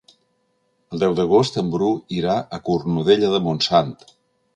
El deu d'agost en Bru irà a Cornudella de Montsant.